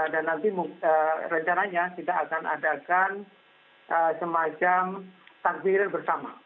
dan nanti rencananya kita akan adakan semacam takdir bersama